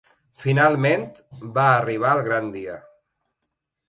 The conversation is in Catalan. Finalment, va arribar el gran dia.